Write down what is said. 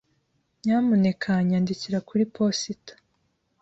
Nyamuneka nyandikira kuri posita.